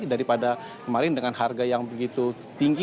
daripada kemarin dengan harga yang begitu tinggi